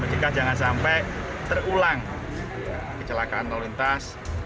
jika jangan sampai terulang kecelakaan lalu lintas